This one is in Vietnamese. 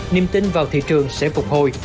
niềm tin vào thị trường sẽ phục hồi